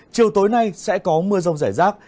chiều tối nay sẽ có mưa rông rải rác